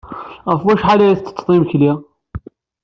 Ɣef wacḥal ay tettetted imekli?